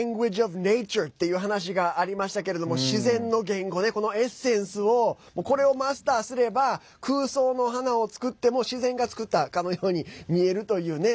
Ｔｈｅｌａｎｇｕａｇｅｏｆｎａｔｕｒｅっていう話がありましたけれども自然の言語ね、このエッセンスをこれをマスターすれば空想の花を作っても自然が作ったかのように見えるというね。